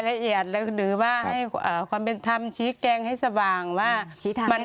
ละเอียดหรือว่าให้ความเป็นธรรมชี้แจงให้สว่างว่ามัน